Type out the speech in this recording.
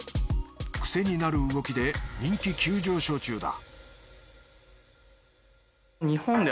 癖になる動きで人気急上昇中だ